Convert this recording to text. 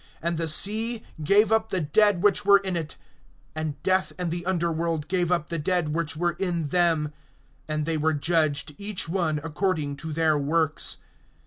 (13)And the sea gave up the dead which were in it; and death and the underworld gave up the dead which were in them; and they were judged each one according to their works.